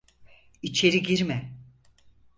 İçeri girme!